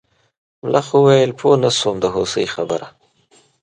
ملخ وویل پوه نه شوم د هوسۍ خبره.